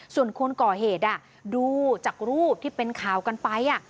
ส่วนคนก่อเหตุดูจากรูปที่เป็นข่าวกันไป